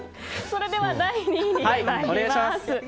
それでは第２位に参ります。